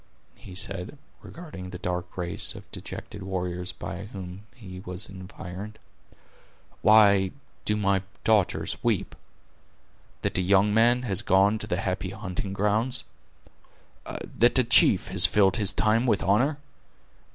he said, regarding the dark race of dejected warriors by whom he was environed; "why do my daughters weep? that a young man has gone to the happy hunting grounds; that a chief has filled his time with honor?